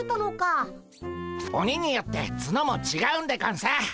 オニによってツノもちがうんでゴンス。